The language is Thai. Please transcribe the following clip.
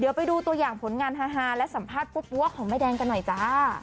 เดี๋ยวไปดูตัวอย่างผลงานฮาและสัมภาษณ์ปั๊วของแม่แดงกันหน่อยจ้า